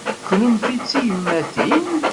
Kennemti d tiyemmatin?